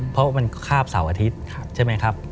เพราะว่ามันข้าบเสาร์อาทิตย์